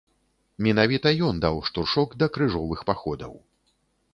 Менавіта ён даў штуршок да крыжовых паходаў.